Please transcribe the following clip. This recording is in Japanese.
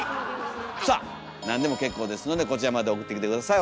さあなんでも結構ですのでこちらまで送ってきて下さい。